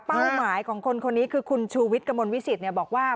หมายของคนคนนี้คือคุณชูวิทย์กระมวลวิสิตบอกว่า